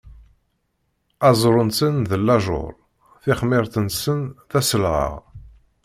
Aẓru-nsen d llajuṛ, tixmiṛt-nsen d aselɣaɣ.